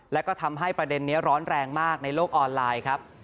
แล้วก็ทำให้ประเด็นนี้ร้อนแรงมากในโลกออนไลน์ครับ